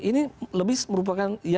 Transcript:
ini lebih merupakan